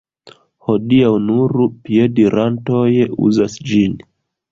Hodiaŭ nur piedirantoj uzas ĝin.